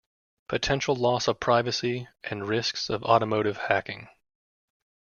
Potential loss of privacy and risks of automotive hacking.